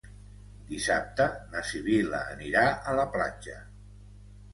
Dissabte na Sibil·la anirà a la platja.